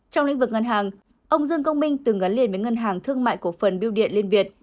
trong lĩnh vực ngân hàng ông dương công minh từng gắn liền với ngân hàng thương mại cổ phần biêu điện liên việt